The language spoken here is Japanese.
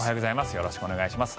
よろしくお願いします。